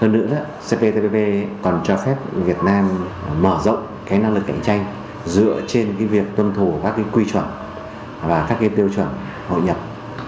hơn nữa cptpp còn cho phép việt nam mở rộng năng lực cạnh tranh dựa trên việc tuân thủ các quy chuẩn và các tiêu chuẩn hội nhập